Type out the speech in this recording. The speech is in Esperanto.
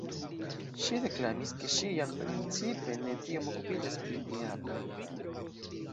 Ŝi deklamis, ke ŝi jam principe ne tiom okupiĝas pri diabloj.